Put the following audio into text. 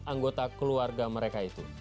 anggota keluarga mereka itu